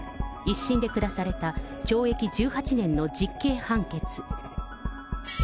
１審で下された懲役１８年の実刑判決。